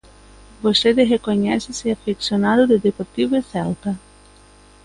Vostede recoñécese afeccionado de Deportivo e Celta.